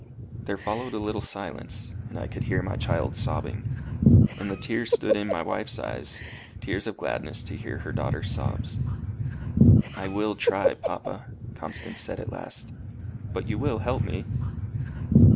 There followed a little silence, and I could hear my child sobbing. And the tears stood in; my wife's eyes tears of gladness to hear her daughter's sobs. "I will try, papa," Constance said at last. "But you will help me?"